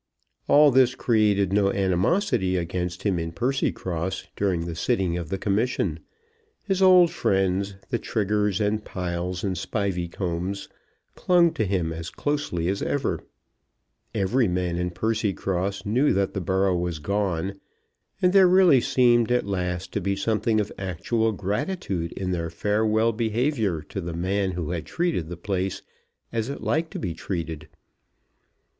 All this created no animosity against him in Percycross during the sitting of the Commission. His old friends, the Triggers, and Piles, and Spiveycombs, clung to him as closely as ever. Every man in Percycross knew that the borough was gone, and there really seemed at last to be something of actual gratitude in their farewell behaviour to the man who had treated the place as it liked to be treated.